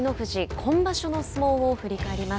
今場所の相撲を振り返ります。